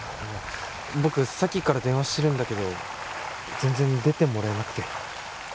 僕さっきから電話してるんだけど全然出てもらえなくて。